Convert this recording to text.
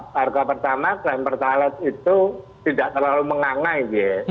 harga pertama klaim peta led itu tidak terlalu mengangai gitu ya